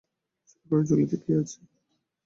সরকারের ঝুলিতে কী আছে?